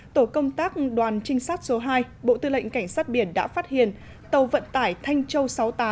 tổ công tác đoàn trinh sát số hai bộ tư lệnh cảnh sát biển đã phát hiện tàu vận tải thanh châu sáu mươi tám